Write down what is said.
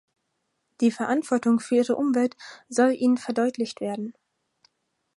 Die Verantwortung für ihre Umwelt soll ihnen verdeutlicht werden.